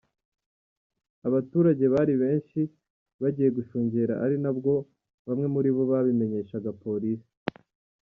Abaturage bari benshi bagiye gushungera ari nabwo bamwe muribo babimenyeshaga Polisi.